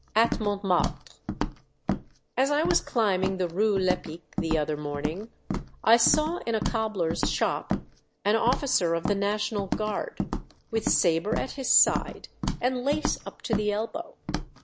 AT MONTMARTRE. As I was climbing the Rue Lepic the other morning, I saw in a cobbler's shop an officer of the national guard, with sabre at his side, and lace up to the elbow.